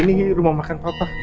ya ini ini rumah makan papa